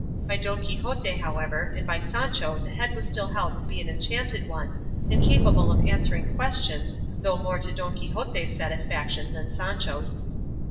By Don Quixote, however, and by Sancho the head was still held to be an enchanted one, and capable of answering questions, though more to Don Quixote's satisfaction than Sancho's.